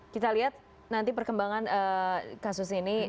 kita lihat nanti perkembangan kasus ini